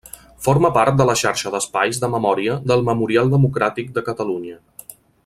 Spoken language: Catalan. Forma part de la xarxa d'espais de memòria del Memorial Democràtic de Catalunya.